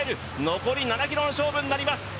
残り７ｋｍの勝負になります